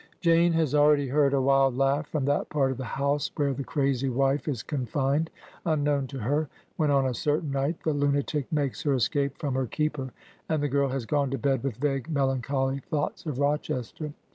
Jane has already heard a wild laugh from that part of the house where the crazy wife is confined, unknown to her, when on a certain night the lunatic makes her escape from her keeper; and the girl has gone to bed with vague, melancholy thoughts of Rochester.